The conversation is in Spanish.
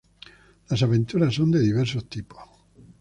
Las aventuras son de diversos tipos.